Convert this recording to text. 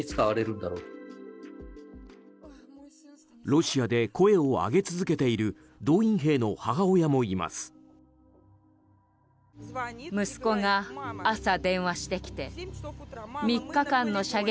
ロシアで声を上げ続けている動員兵の母親もいます。